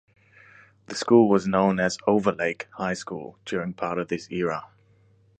The school was known as "Overlake" High School during part of this era.